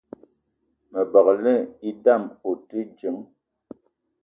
Me gbelé idam ote djeng